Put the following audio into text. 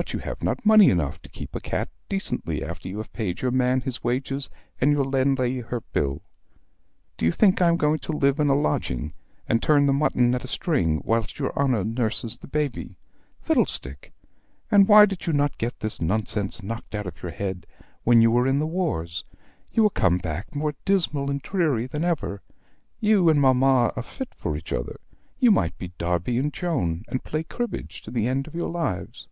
But you have not money enough to keep a cat decently after you have paid your man his wages, and your landlady her bill. Do you think I am going to live in a lodging, and turn the mutton at a string whilst your honor nurses the baby? Fiddlestick, and why did you not get this nonsense knocked out of your head when you were in the wars? You are come back more dismal and dreary than ever. You and mamma are fit for each other. You might be Darby and Joan, and play cribbage to the end of your lives."